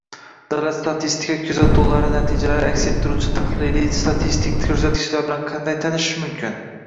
Davlat statistika kuzatuvlari natijalarini aks ettiruvchi tahliliy-statistik ko’rsatkichlar bilan qanday tanishish mumkin?